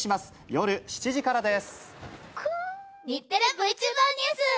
夜７時からです。